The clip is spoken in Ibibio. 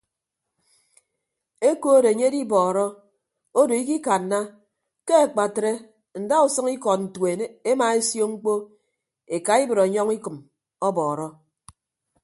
Ekod enye edibọọrọ odo ikikanna ke akpatre ndausʌñ ikọd ntuen emaesio mkpọ ekaibịd ọnyọñ ukịm ọbọ.